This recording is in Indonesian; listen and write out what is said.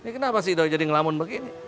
ini kenapa si idoi jadi ngelamun begini